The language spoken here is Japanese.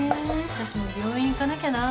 私も病院行かなきゃな。